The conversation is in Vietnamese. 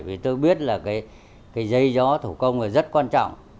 vì tôi biết là cái dây gió thủ công là rất quan trọng